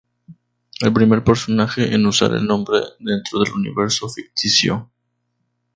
El primer personaje en usar el nombre dentro del universo ficticio.